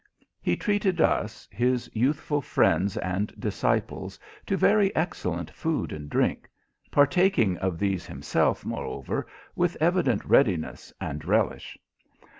He treated us, his youthful friends and disciples, to very excellent food and drink; partaking of these himself, moreover, with evident readiness and relish.